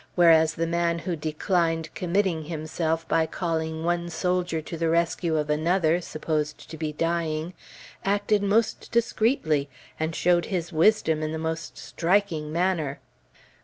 Whereas the man who declined committing himself by calling one soldier to the rescue of another, supposed to be dying, acted most discreetly, and showed his wisdom in the most striking manner.